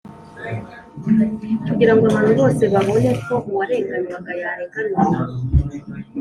kugira ngo abantu bose babone ko uwarenganywaga yarenganuwe.